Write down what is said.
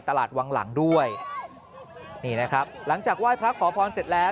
ตลาดวังหลังด้วยนี่นะครับหลังจากไหว้พระขอพรเสร็จแล้ว